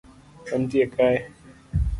Antie kae